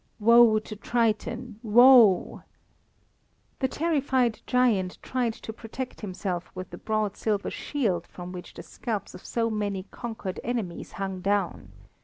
"Woe to Triton, woe!" The terrified giant tried to protect himself with the broad silver shield, from which the scalps of so many conquered enemies hung down.